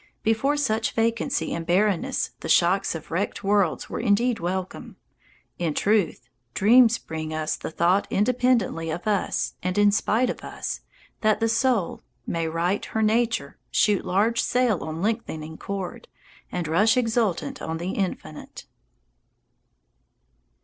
Before such vacancy and bareness the shocks of wrecked worlds were indeed welcome. In truth, dreams bring us the thought independently of us and in spite of us that the soul "may right Her nature, shoot large sail on lengthening cord, And rush exultant on the Infinite."